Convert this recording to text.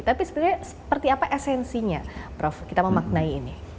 tapi sebenarnya seperti apa esensinya prof kita memaknai ini